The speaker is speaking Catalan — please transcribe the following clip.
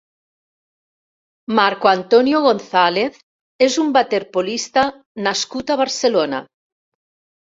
Marco Antonio González és un waterpolista nascut a Barcelona.